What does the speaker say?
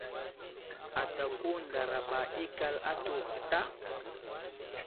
Adako ndaraɓa ikal atu vatá ?